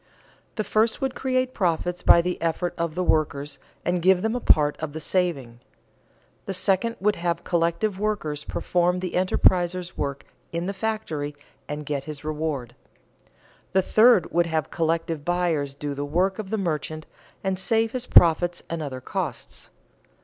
The first would create profits by the effort of the workers, and give them a part of the saving. The second would have collective workers perform the enterpriser's work in the factory and get his reward. The third would have collective buyers do the work of the merchant and save his profits and other costs.